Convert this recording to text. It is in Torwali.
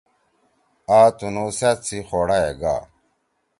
آ تُنُو سأت سی خوڑا ئے گا۔